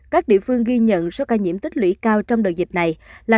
các địa phương ghi nhận số ca nhiễm tích lũy cao trong đợt dịch này là